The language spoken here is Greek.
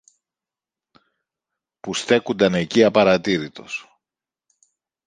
που στέκουνταν εκεί απαρατήρητος.